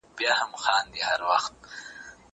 نان وخوره؟